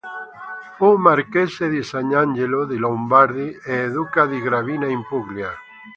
Fu marchese di Sant'Angelo dei Lombardi e duca di Gravina in Puglia.